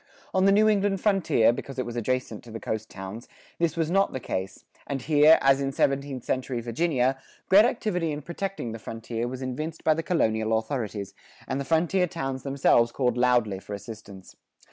On the New England frontier, because it was adjacent to the coast towns, this was not the case, and here, as in seventeenth century Virginia, great activity in protecting the frontier was evinced by the colonial authorities, and the frontier towns themselves called loudly for assistance.